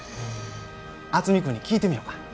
渥美君に聞いてみよか。